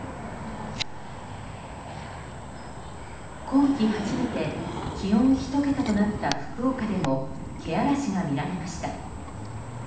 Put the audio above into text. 今季初めて気温１桁となった福岡でもけあらしが見られました。